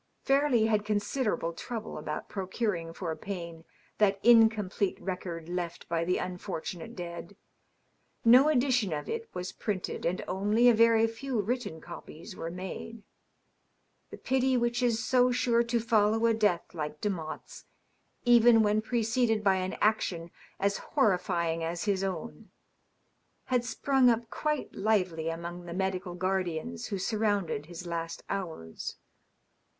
Fairleigh had considerable trouble about procuring for Payne that incomplete record left by the unfortunate dead. No edition of it was printed, and only a very few written copies were made. The pity which is so sure to follow a death like Demotte's, even when preceded by an action as horrifying as his own, had sprung up quite lively among the medical guardians who surrounded his last hours.